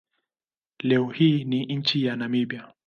Leo hii ni nchi ya Namibia.